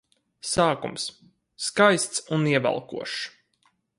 Sākums - skaists un ievelkošs.